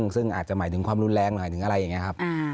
ซึ่งอาจจะหมายถึงความรุนแรงครับ